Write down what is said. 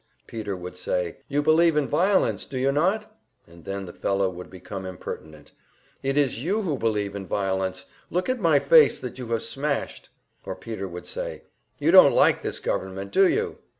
Peter would say, "You believe in violence, do you not?" And then the fellow would become impertinent: "It is you who believe in violence, look at my face that you have smashed." Or Peter would say, "You don't like this government, do you?"